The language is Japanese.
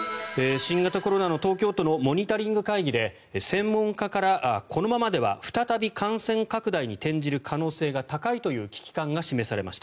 新型コロナの東京都のモニタリング会議で専門家からこのままでは再び感染拡大に転じる可能性が高いという危機感が示されました。